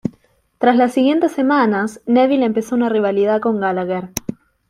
Tras las siguientes semanas, Neville empezó una rivalidad con Gallagher.